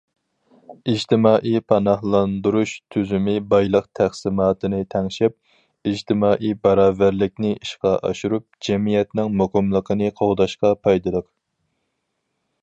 ئىجتىمائىي پاناھلاندۇرۇش تۈزۈمى بايلىق تەقسىماتىنى تەڭشەپ، ئىجتىمائىي باراۋەرلىكنى ئىشقا ئاشۇرۇپ، جەمئىيەتنىڭ مۇقىملىقىنى قوغداشقا پايدىلىق.